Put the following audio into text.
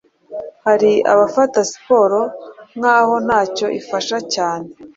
Hari abafata siporo nk’aho nta cyo ifasha cyane